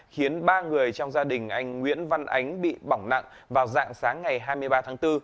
khiến ba người trong gia đình anh nguyễn văn ánh bị bỏng nặng vào dạng sáng ngày hai mươi ba tháng bốn